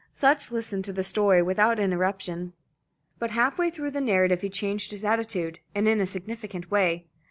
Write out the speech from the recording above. Sutch listened to the story without an interruption. But halfway through the narrative he changed his attitude, and in a significant way.